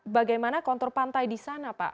bagaimana kontur pantai di sana pak